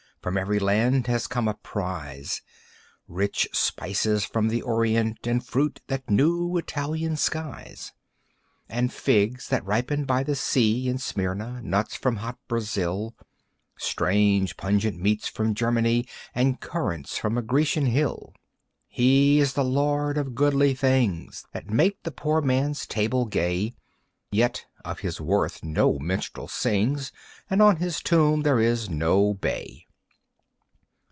From every land has come a prize; Rich spices from the Orient, And fruit that knew Italian skies, And figs that ripened by the sea In Smyrna, nuts from hot Brazil, Strange pungent meats from Germany, And currants from a Grecian hill. He is the lord of goodly things That make the poor man's table gay, Yet of his worth no minstrel sings And on his tomb there is no bay.